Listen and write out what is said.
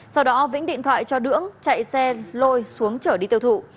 sau đó vĩnh điện thoại cho đưỡng chạy xe lôi xuống trở đi tiêu thụ